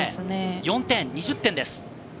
４点、２０点です。